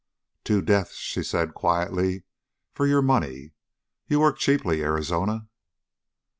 "Two deaths," she said quietly, "for your money. You work cheaply, Arizona."